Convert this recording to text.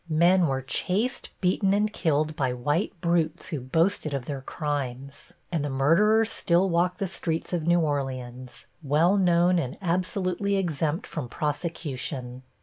Men were chased, beaten and killed by white brutes, who boasted of their crimes, and the murderers still walk the streets of New Orleans, well known and absolutely exempt from prosecution.